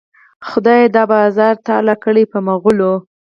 خدایه دا بازار تالا کړې په مغلو.